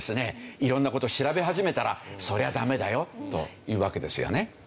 色んな事を調べ始めたらそりゃあダメだよというわけですよね。